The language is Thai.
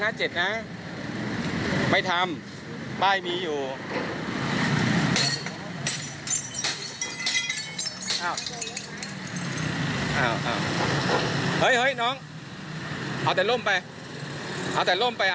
คุณเห็นความต้องการเข้ามาแรบ